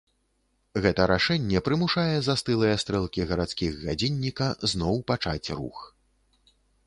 Гэта рашэнне прымушае застылыя стрэлкі гарадскіх гадзінніка зноў пачаць рух.